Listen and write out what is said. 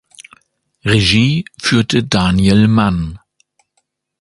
Regie führte Daniel Mann.